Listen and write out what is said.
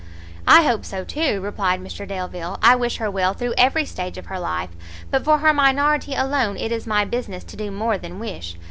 "I hope so too;" replied Mr Delvile: "I wish her well through every stage of her life, but for her minority alone it is my business to do more than wish.